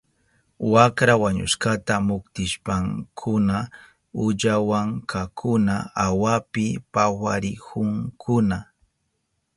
Wakra wañushkata muktishpankuna ullawankakuna awapi pawarihunkuna.